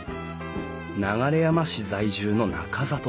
流山市在住の中里さん。